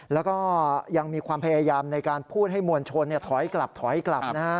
แล้วก็ยังมีความพยายามในการพูดให้มวลชนถอยกลับถอยกลับนะฮะ